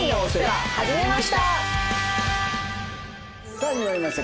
さあ始まりました